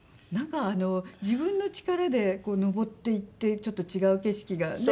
なんか自分の力で登っていってちょっと違う景色が。